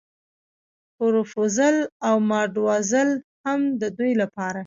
پروپوزل او ماداوزل هم د دوی لپاره.